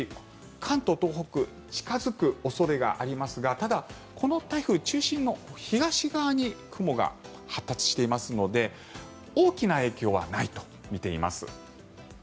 関東、東北近付く恐れがありますがただ、この台風中心の東側に雲が発達していますので「ワイド！スクランブル」